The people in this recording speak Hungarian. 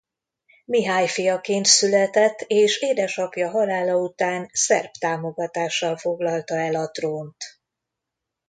Mihály fiaként született és édesapja halála után szerb támogatással foglalta el a trónt.